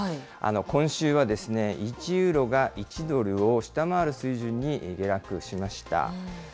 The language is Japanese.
今週は１ユーロが１ドルを下回る水準に下落しました。